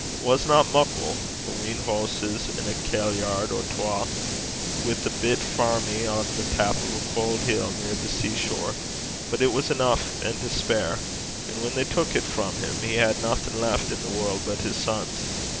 It wasna muckle a wheen hooses, and a kailyard or twa, wi' a bit fairmy on the tap o' a cauld hill near the sea shore; but it was eneuch and to spare; and whan they tuik it frae him, he had naething left i' the warl' but his sons.